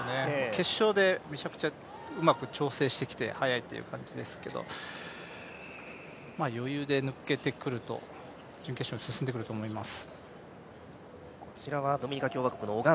決勝でめちゃくちゃうまく調整してきて速いという感じですけれども、余裕で抜けてくる、準決勝に進んでくると思います。